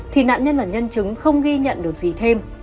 thì nạn nhân và nhân chứng không ghi nhận được gì thêm